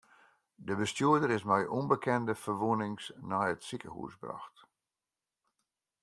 De bestjoerder is mei ûnbekende ferwûnings nei it sikehûs brocht.